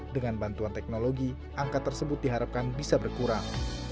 dengan bantuan teknologi angka tersebut diharapkan bisa berkurang